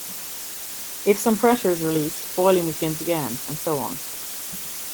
If some pressure is released, boiling begins again, and so on.